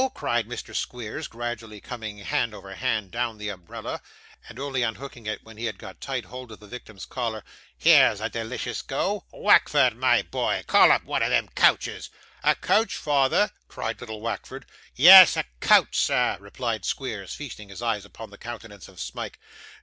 cried Mr. Squeers, gradually coming hand over hand down the umbrella, and only unhooking it when he had got tight hold of the victim's collar. 'Here's a delicious go! Wackford, my boy, call up one of them coaches.' 'A coach, father!' cried little Wackford. 'Yes, a coach, sir,' replied Squeers, feasting his eyes upon the countenance of Smike.